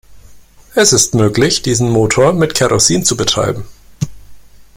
Es ist möglich diesen Motor mit Kerosin zu betreiben.